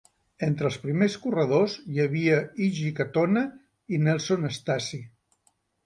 Entre els primers corredors hi havia Iggy Katona i Nelson Stacy.